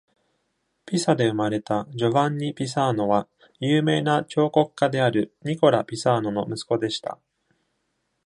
ピサで生まれたジョヴァンニ・ピサーノは、有名な彫刻家であるニコラ・ピサーノの息子でした。